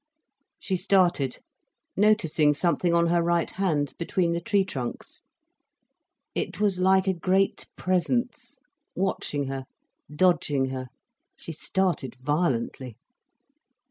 She started, noticing something on her right hand, between the tree trunks. It was like a great presence, watching her, dodging her. She started violently.